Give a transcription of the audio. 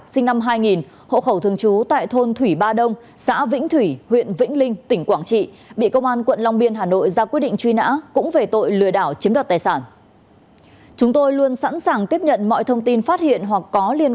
xin chào các bạn